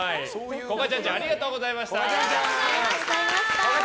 こがちゃんちゃんさんありがとうございました。